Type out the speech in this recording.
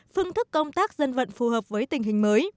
phương thức công tác dân vận phù hợp với tình hình mới